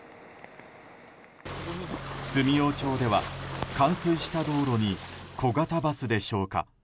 住用町では、冠水した道路に小型バスでしょうか。